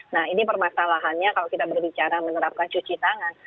nah ini permasalahannya kalau kita berbicara menerapkan cuci tangan